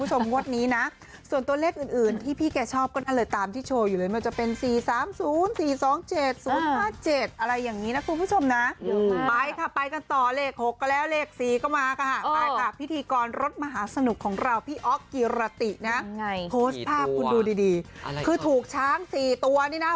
ส่วนโตะเลขอื่นที่พี่แกชอบก็นั่นเลยตามที่โชว์อยู่เลยมันจะเป็น๔๓๐๔๒๗๐๕๗อะไรแบบนี้นะคุณผู้ชมนะ